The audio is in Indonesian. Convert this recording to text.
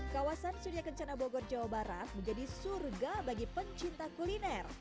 kawasan sudia kencana bogor jawa barat menjadi surga bagi pencinta kuliner